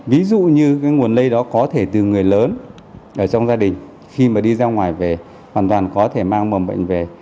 ví dụ như nguồn lây đó có thể từ người lớn ở trong gia đình khi mà đi ra ngoài về hoàn toàn có thể mang mầm bệnh về